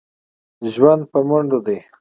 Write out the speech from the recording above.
ژوند په منډو دی.